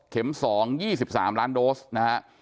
เข็ม๒๒๓ล้านโดสนะครับ